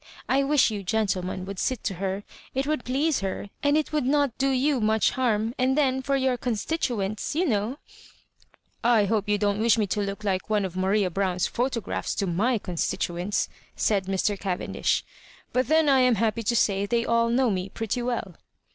I wish you gentlemen would sit to her ; it would please her, and it would not do you much harm ; and then for your constituents, you know "" I hope you don't wish me to look like one of Maria Brown*a photographs to my constituents," said Mr. Cavendish ;" but then I am happy to say they all know me pretty well."